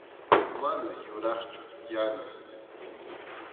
Mana yuraqchu Yanam.